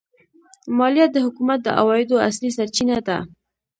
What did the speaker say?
مالیه د حکومت د عوایدو اصلي سرچینه ده.